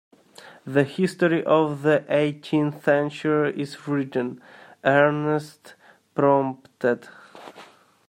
The history of the eighteenth century is written, Ernest prompted.